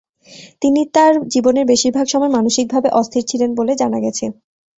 তিনি তার জীবনের বেশিরভাগ সময় মানসিকভাবে অস্থির ছিলেন বলে জানা গেছে।